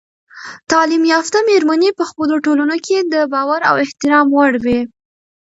تعلیم یافته میرمنې په خپلو ټولنو کې د باور او احترام وړ وي.